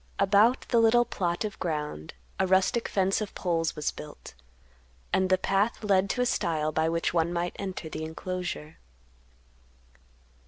About the little plot of ground a rustic fence of poles was built, and the path led to a stile by which one might enter the enclosure.